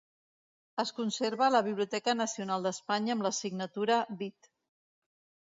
Es conserva a la Biblioteca Nacional d'Espanya amb la signatura Vit.